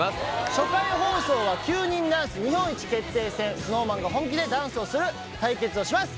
初回放送は９人ダンス日本一決定戦ＳｎｏｗＭａｎが本気でダンスをする対決をします